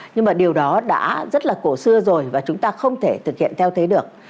nhưng mà điều đó đã rất là cổ xưa rồi và chúng ta không thể thực hiện theo thế được